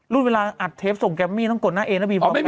รุ่นเวลาอัดเทปส่งแกรมมี่ต้องกดหน้าเองแล้วพี่บอกมา